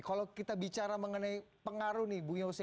kalau kita bicara mengenai pengaruh nih bu yose